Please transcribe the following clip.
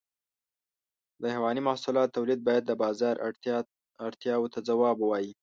د حيواني محصولاتو تولید باید د بازار اړتیاو ته ځواب ووایي.